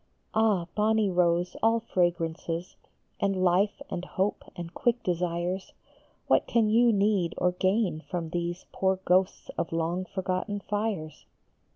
Ah, bonny rose, all fragrances, And life and hope and quick desires, What can you need or gain from these Poor ghosts of long forgotten fires